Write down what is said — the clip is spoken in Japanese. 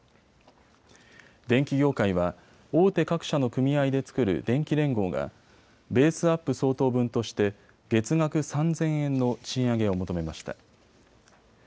電機業界は大手各社の組合で作る電機連合がベースアップ相当分として月額３０００円の賃上げを求めました。